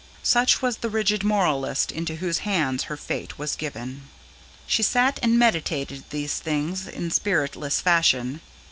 Such was the rigid young moralist into whose hands her fate was given. She sat and meditated these things, in spiritless fashion.